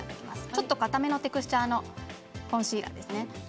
ちょっとかためのテクスチャーのコンシーラーですね。